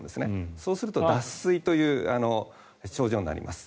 そうすると脱水という症状になります。